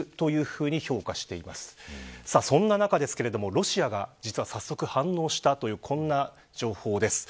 ロシアが早速、反応したというこんな情報です。